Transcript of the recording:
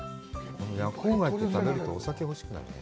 夜光貝って、食べると、お酒が欲しくなるね。